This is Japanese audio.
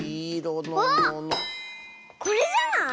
あっこれじゃない？